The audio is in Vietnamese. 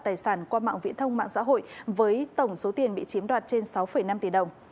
tài sản qua mạng viễn thông mạng xã hội với tổng số tiền bị chiếm đoạt trên sáu năm tỷ đồng